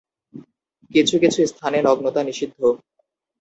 কিছু কিছু স্থানে নগ্নতা নিষিদ্ধ।